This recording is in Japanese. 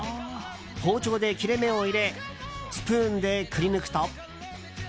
包丁で切れ目を入れスプーンでくり抜くと。